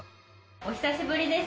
お久しぶりです。